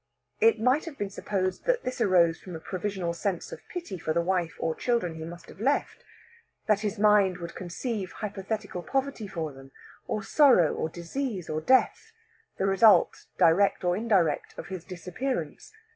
It might have been supposed that this arose from a provisional sense of pity for the wife and children he must have left; that his mind would conceive hypothetical poverty for them, or sorrow, disease, or death, the result direct or indirect of his disappearance.